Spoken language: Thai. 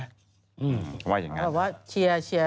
อืมคำว่าอย่างนั้นนะครับบอกว่าเชียร์